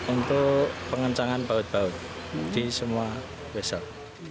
untuk pengencangan baut baut di semua besok